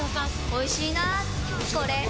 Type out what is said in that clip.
おいしいなぁこれ